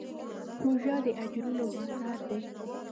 روژه د اجرونو بازار دی.